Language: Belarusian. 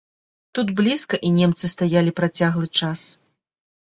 Тут блізка і немцы стаялі працяглы час.